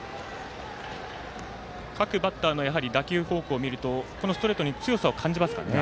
各バッターの打球方向見るとこのストレートに強さを感じますかね。